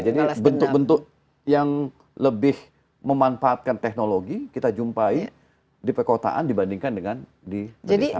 jadi bentuk bentuk yang lebih memanfaatkan teknologi kita jumpai di perkotaan dibandingkan di pedesaan